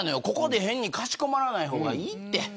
ここで変にかしこまらない方がいいって。